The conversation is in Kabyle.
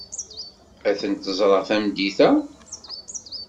Ad tent-ẓreɣ tameddit-a.